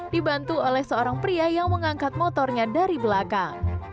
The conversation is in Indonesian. dibantu oleh seorang pria yang mengangkat motornya dari belakang